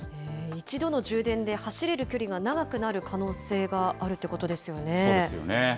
一度の充電で走れる距離が長くなる可能性があるということでそうですよね。